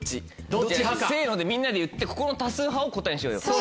せのでみんなで言ってここの多数派を答えにしようよ。